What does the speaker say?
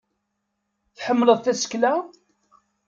Tḥemmleḍ tasekla?